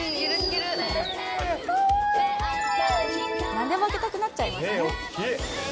なんでもあげたくなっちゃいますね。